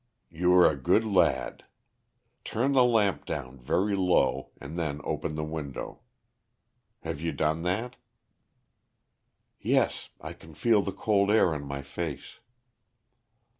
"You are a good lad. Turn the lamp down very low and then open the window. Have you done that?" "Yes, I can feel the cold air on my face."